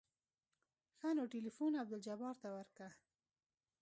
ښه نو ټېلفون عبدالجبار ته ورکه.